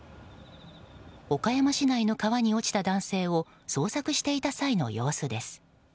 岡山市内の川に落ちた男性を捜索していた際の様子です。